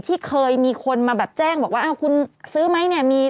ที่เคยมีคนมาแบบแจ้งบอกว่าคุณซื้อไหม